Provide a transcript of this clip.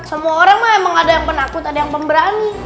semua orang mah emang ada yang penakut ada yang pemberani